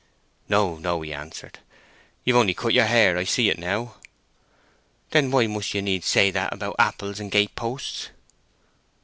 "No, no," he answered. "You've only cut your hair—I see now." "Then why must you needs say that about apples and gate posts?"